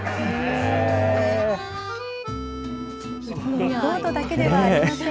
レコードだけではありません。